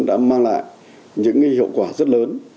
đã mang lại những hiệu quả rất lớn